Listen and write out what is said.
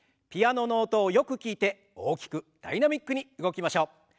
ピアノの音をよく聞いて大きくダイナミックに動きましょう。